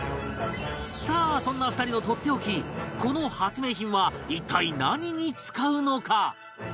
さあそんな２人のとっておきこの発明品は一体何に使うのか？